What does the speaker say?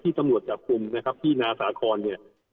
ที่สำหรับกลุ่มนะครับที่นาสาคอนเนี่ย